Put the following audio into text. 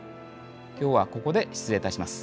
今日はここで失礼いたします。